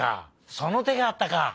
そのてがあったか！